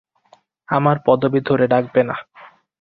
আমার পদবী ধরে ডাকবে না।